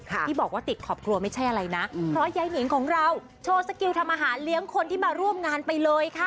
ที่บอกว่าติดครอบครัวไม่ใช่อะไรนะเพราะยายนิงของเราโชว์สกิลทำอาหารเลี้ยงคนที่มาร่วมงานไปเลยค่ะ